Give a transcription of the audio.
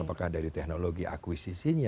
apakah dari teknologi akuisisinya